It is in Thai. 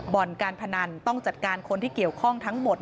บ่อนการพนันต้องจัดการคนที่เกี่ยวข้องทั้งหมด